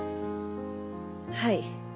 はい。